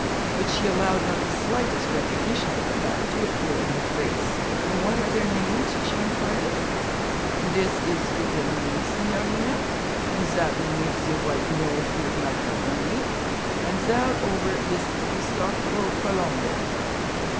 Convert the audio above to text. But she allowed not the slightest recognition of the fact to appear in her face. 'And what are their names?' she inquired. 'Dis is Fidilini, signorina, and zat one wif ze white nose is Macaroni, and zat ovver is Cristoforo Colombo.'